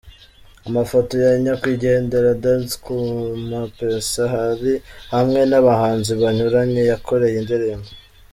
Amafoto ya Nyakwigendera Danz Kumapeesa ari hamwe n'abahanzi banyuranye yakoreye indirimbo.